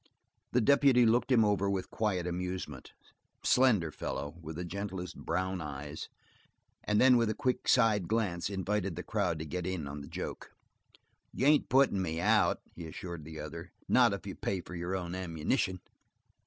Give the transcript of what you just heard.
The deputy looked him over with quiet amusement slender fellow with the gentlest brown eyes and then with a quick side glance invited the crowd to get in on the joke. "You ain't puttin' me out," he assured the other. "Not if you pay for your own ammunition."